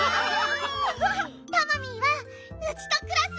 タマミーはウチとくらすッピ！